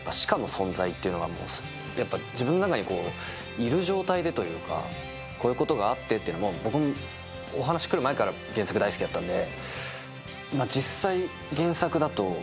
いる状態でというかこういうことがあってっていうのも、お話来る前から原作好きだったんで。